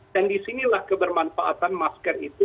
dan disinilah kebermanfaatan masker itu